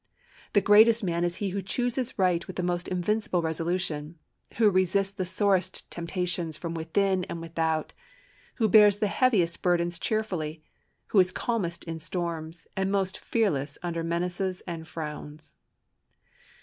The greatest man is he who chooses right with the most invincible resolution; who resists the sorest temptations from within and without; who bears the heaviest burdens cheerfully; who is calmest in storms, and most fearless under menaces and frowns.